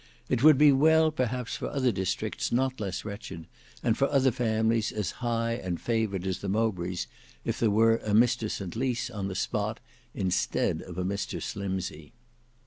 It would be well perhaps for other districts not less wretched, and for other families as high and favoured as the Mowbrays, if there were a Mr St Lys on the spot instead of a Mr Slimsey."